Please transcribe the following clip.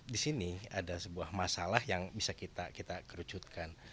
di sini ada sebuah masalah yang bisa kita kerucutkan